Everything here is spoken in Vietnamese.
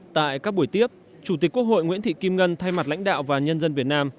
tại các buổi tiếp chủ tịch quốc hội nguyễn thị kim ngân thay mặt lãnh đạo và nhân dân việt nam